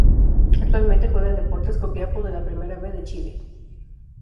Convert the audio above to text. Actualmente juega en Deportes Copiapó de la Primera B de Chile.